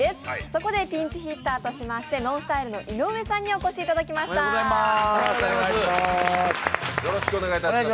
そこでピンチヒッターとしましてＮＯＮＳＴＹＬＥの井上さんにお越しいただきました。